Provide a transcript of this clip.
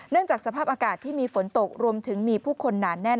จากสภาพอากาศที่มีฝนตกรวมถึงมีผู้คนหนาแน่น